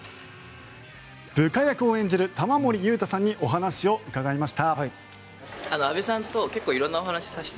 部下役を演じる玉森裕太さんにお話を伺いました。